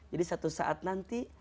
jadi satu saat nanti